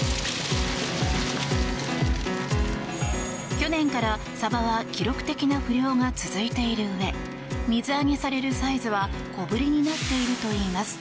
去年からサバは記録的な不漁が続いているうえ水揚げされるサイズは小ぶりになっているといいます。